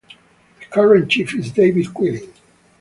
The current chief is David Quillin.